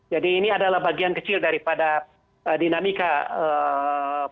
jadi ini adalah bagian kecil daripada dinamika ee